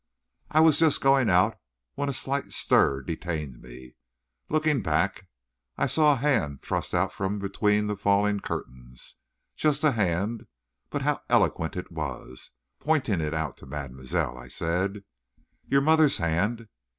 I was just going out, when a slight stir detained me. Looking back, I saw a hand thrust out from between the falling curtains. Just a hand, but how eloquent it was! Pointing it out to mademoiselle, I said: "Your mother's hand.